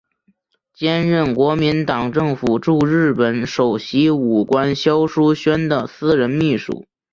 兼任国民党政府驻日本首席武官肖叔宣的私人秘书。